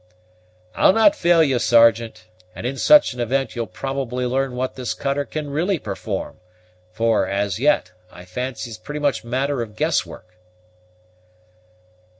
"I'll not fail you, Sergeant; and in such an event you'll probably learn what this cutter can really perform; for, as yet, I fancy it is pretty much matter of guesswork."